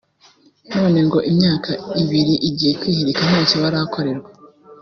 none ngo imyaka ibiri igiye kwihirika ntacyo barakorerwa